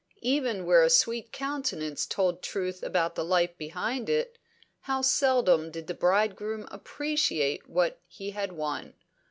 Even where a sweet countenance told truth about the life behind it, how seldom did the bridegroom appreciate what he had won!